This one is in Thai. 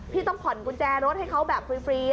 ต้องผ่อนกุญแจรถให้เขาแบบฟรี